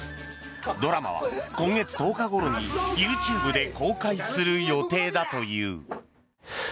ドラマは今月１０日ごろにＹｏｕＴｕｂｅで公開する予定だという。